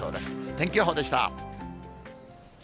天気予報でした。